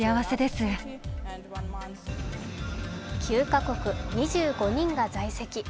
９カ国２５人が在籍。